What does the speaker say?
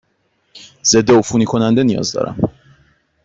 ضدعفونی کننده نیاز دارم.